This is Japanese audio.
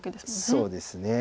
そうですね。